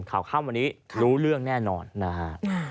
ข่าวค่ำวันนี้รู้เรื่องแน่นอนนะฮะ